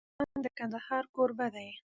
افغانستان د کندهار کوربه دی.